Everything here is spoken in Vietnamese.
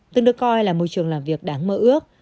từng được coi là môi trường làm việc đáng mơ ước